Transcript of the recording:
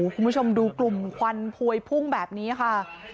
คุณผู้ชมดูกลุ่มควันพวยพุ่งแบบนี้ค่ะ